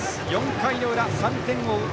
４回の裏、３点を追う